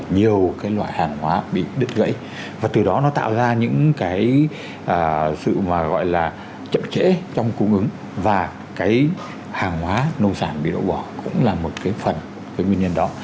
nhiều loại hàng hóa bị đứt gãy và từ đó nó tạo ra những sự chậm chẽ trong cung ứng và hàng hóa nông sản bị đổ bỏ cũng là một phần nguyên nhân đó